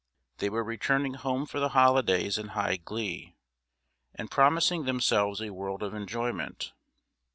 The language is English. They were returning home for the holidays in high glee, and promising themselves a world of enjoyment.